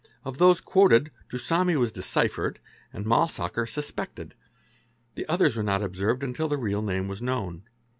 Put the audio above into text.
Of those quoted, Daswmi was deciphered and Maulsacher suspected, the others were not observed until the real name was known.